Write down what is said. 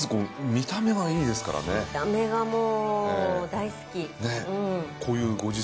見た目がもう大好き。